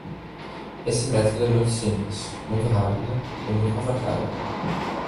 Este método é muito simples, muito rápido e muito confortável.